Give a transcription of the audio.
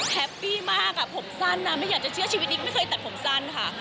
แฮปปี้มากผมสั้นนะไม่อยากจะเชื่อชีวิตนิกไม่เคยตัดผมสั้นค่ะ